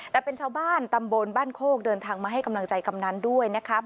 แต่เป็นชาวบ้านตำบลบ้านโคกเดินทางมาให้กำลังใจกำนันด้วยนะครับ